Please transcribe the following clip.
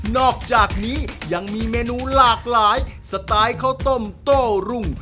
อกจากนี้ยังมีเมนูหลากหลายสไตล์ข้าวต้มโต้รุ่ง